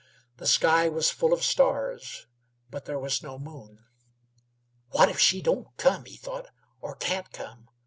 The sky was full of stars, but there was no moon. "What if she don't come?" he thought. "Or can't come?